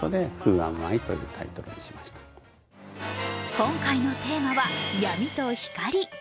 今回のテーマは「闇」と「光」。